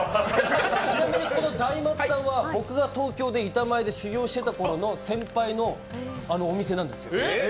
ちなみにこの大松さんは僕が東京で板前で修業してたときの先輩のお店なんですよ。